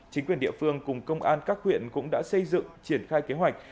chính quyền địa phương cùng công an các huyện cũng đã xây dựng triển khai kế hoạch